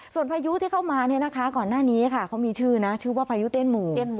ส่วนพายุที่เข้ามาเนี่ยนะคะก่อนหน้านี้ค่ะเขามีชื่อนะชื่อว่าพายุเตี้ยนหมู่